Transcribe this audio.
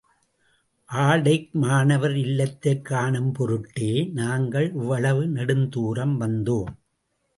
Artech மாணவர் இல்லத்தைக் காணும் பொருட்டே நாங்கள் இவ்வளவு நெடுந்தூரம் வந்தோம்.